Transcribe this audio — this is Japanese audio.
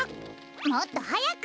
もっとはやく！